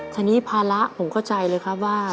ทีนี้ภาระผมเข้าใจเลยครับว่า